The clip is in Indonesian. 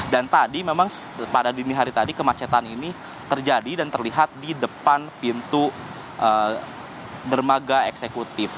dan tadi memang pada dini hari tadi kemacetan ini terjadi dan terlihat di depan pintu dermaga eksekutif